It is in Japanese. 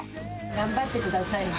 頑張ってくださいね。